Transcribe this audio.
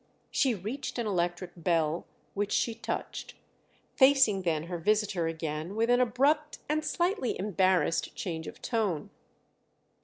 She reached an electric bell, which she touched—facing then her visitor again with an abrupt and slightly embarrassed change of tone.